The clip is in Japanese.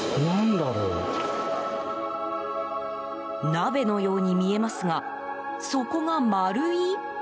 鍋のように見えますが底が丸い？